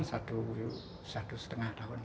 ya sekitar satu setengah tahun